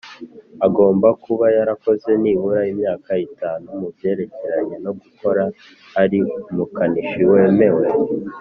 Agomba kuba yarakoze nibura imyaka itanu mu byerekeranye no gukora ari umukanishi wemewe.